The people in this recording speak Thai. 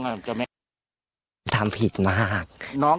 เจ้าแม่ไม่ทำไมต้องมาทำแบบนี้กับน้องอ่ะ